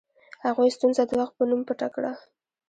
هغوی ستونزه د وخت په نوم پټه کړه.